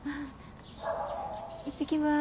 行ってきます。